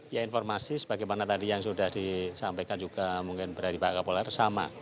ya informasi sebagaimana tadi yang sudah disampaikan juga mungkin dari pak kapoler sama